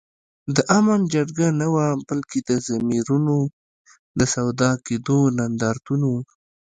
د آمن جرګه نه وه بلکي د ضمیرونو د سودا کېدو نندارتون وو